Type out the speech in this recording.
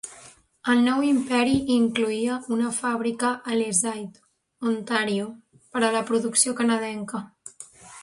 El nou imperi incloïa una fàbrica a Leaside, Ontario, per a la producció canadenca.